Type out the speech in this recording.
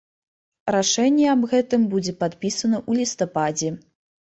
Рашэнне аб гэтым будзе падпісана ў лістападзе.